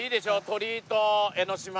鳥居と江の島。